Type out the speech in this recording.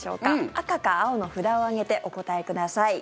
赤か青の札を上げてお答えください。